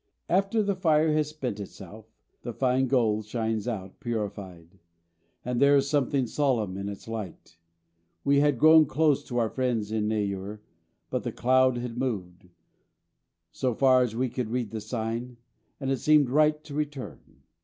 After the fire has spent itself, the fine gold shines out purified, and there is something solemn in its light. We had grown close to our friends in Neyoor; but the cloud had moved, so far as we could read the sign, and it seemed right to return.